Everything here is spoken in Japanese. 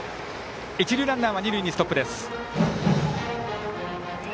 一塁ランナーは二塁ストップ。